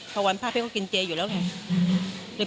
พระวันภาพพี่ก็กินเจอยู่แล้วแหละ